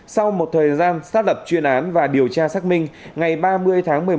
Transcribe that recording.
sau một thời gian xác lập chuyên án và điều tra xác minh ngày ba mươi tháng một mươi một